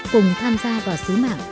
cùng tham gia vào sứ mạng